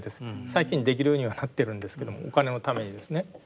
最近できるようにはなってるんですけどもお金のためにですね。